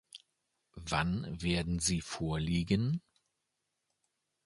Wann werden sie vorliegen?